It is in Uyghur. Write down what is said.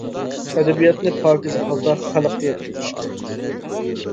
ئەدەبىياتنى پاكىز ھالدا خەلققە يەتكۈزۈش كېرەك.